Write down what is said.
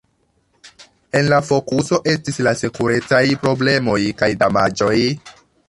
En la fokuso estis la sekurecaj problemoj kaj damaĝoj.